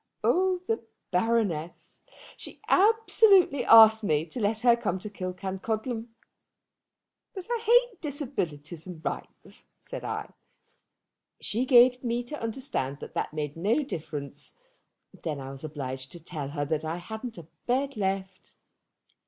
Oh, the Baroness! She absolutely asked me to let her come to Killancodlem. 'But I hate disabilities and rights,' said I. She gave me to understand that that made no difference. Then I was obliged to tell her that I hadn't a bed left.